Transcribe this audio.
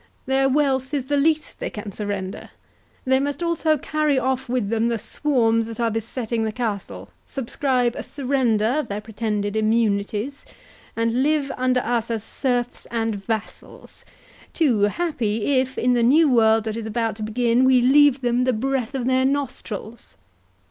Their wealth is the least they can surrender; they must also carry off with them the swarms that are besetting the castle, subscribe a surrender of their pretended immunities, and live under us as serfs and vassals; too happy if, in the new world that is about to begin, we leave them the breath of their nostrils.